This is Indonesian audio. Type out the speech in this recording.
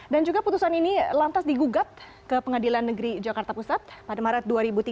dan juga keputusan ini lantas digugat ke pengadilan negeri jakarta pusat pada maret dua ribu tiga belas